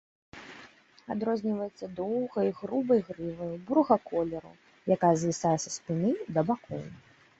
Адрозніваецца доўгай, грубай грываю, бурага колеру, якая звісае са спіны да бакоў.